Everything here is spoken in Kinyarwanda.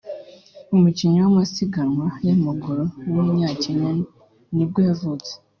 umukinnyi w’amasiganwa y’amaguru w’umunyakenya ni bwo yavutse